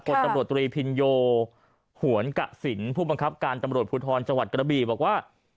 ตำรวจตรีพิญโยหวนกสินผู้บังคับการตำรวจภูทรจังหวัดกระบีบอกว่า